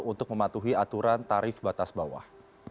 untuk mematuhi aturan tarif batas bawah